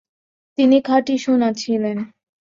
তিনি খাটি সোনা ছিলেন।